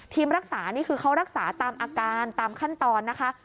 รักษานี่คือเขารักษาตามอาการตามขั้นตอนนะคะ